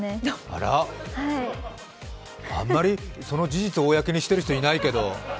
あら、あんまりその事実を公にしている人いないけど。